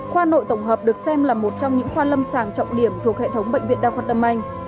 khoa nội tổng hợp được xem là một trong những khoa lâm sàng trọng điểm thuộc hệ thống bệnh viện đa khoa tâm anh